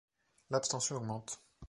L'abstention augmente.